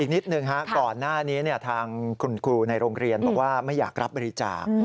นิดหนึ่งฮะก่อนหน้านี้ทางคุณครูในโรงเรียนบอกว่าไม่อยากรับบริจาค